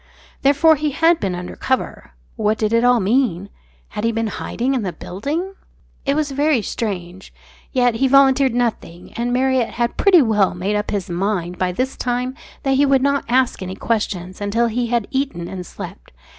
Therefore he had been under cover. What did it all mean? Had he been hiding in the building? ... It was very strange. Yet he volunteered nothing; and Marriott had pretty well made up his mind by this time that he would not ask any questions until he had eaten and slept.